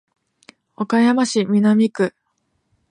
岡山市南区